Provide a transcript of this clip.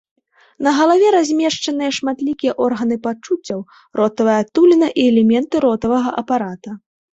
На галаве размешчаны шматлікія органы пачуццяў, ротавая адтуліна і элементы ротавага апарата.